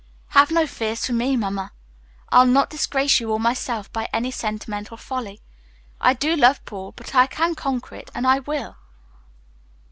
"Have no fears for me, Mamma. I'll not disgrace you or myself by any sentimental folly. I do love Paul, but I can conquer it, and I will.